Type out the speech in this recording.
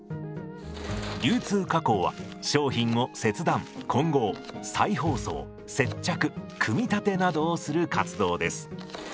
流通加工は商品を切断混合再包装接着組み立てなどをする活動です。